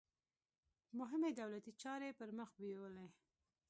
مهمې دولتي چارې پرمخ بیولې.